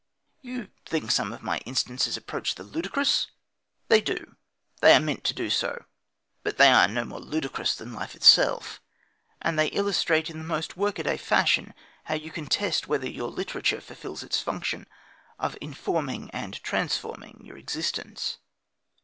You think some of my instances approach the ludicrous? They do. They are meant to do so. But they are no more ludicrous than life itself. And they illustrate in the most workaday fashion how you can test whether your literature fulfils its function of informing and transforming your existence.